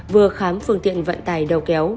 vừa khám phương tiện vận tài đầu kéo